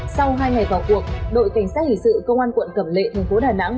sau hai ngày vào cuộc đội cảnh sát hình sự công an quận cẩm lệ thành phố đà nẵng